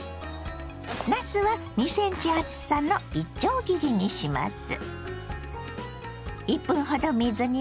なすは２ｃｍ厚さのいちょう切りにします。